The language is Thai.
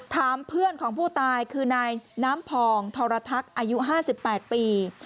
ถามเพื่อนของผู้ตายคือนายน้ำพองทรทักอายุ๕๘ปี